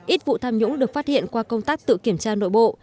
ít vụ tham nhũng được phát hiện qua công tác tự kiểm tra nội bộ